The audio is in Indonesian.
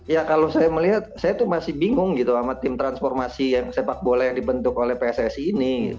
ya kalau saya melihat saya tuh masih bingung gitu sama tim transformasi sepak bola yang dibentuk oleh pssi ini